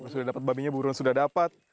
sudah dapat babinya buruan sudah dapat